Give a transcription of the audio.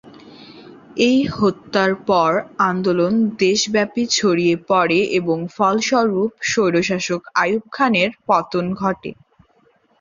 এই হত্যার পর আন্দোলন দেশব্যাপী ছড়িয়ে পড়ে এবং ফলস্বরূপ স্বৈরশাসক আইয়ুব খানের পতন ঘটে।